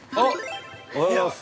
◆おはようございます。